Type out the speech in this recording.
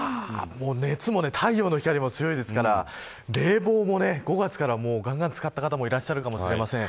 熱も太陽の光も強いですから冷房も５月から、がんがん使った方もいらっしゃるかもしれません。